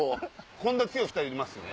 こんな強い２人いますよね